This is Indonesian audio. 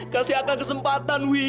kasih akan kesempatan wi